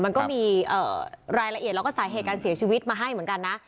มันก็มีรายละเอียดแล้วก็สาเหตุการเสียชีวิตมาให้เหมือนกันนะ